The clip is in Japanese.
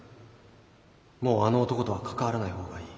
もうあの男とは関わらない方がいい。